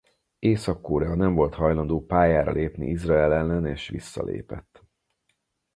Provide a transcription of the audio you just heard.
Észak-Korea nem volt hajlandó pályára lépni Izrael ellen és visszalépett.